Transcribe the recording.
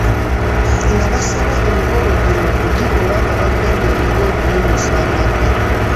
N'abasaba emikolo gino okugikola nga bagenderedde okuyimusa amaka.